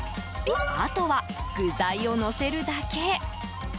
あとは具材をのせるだけ。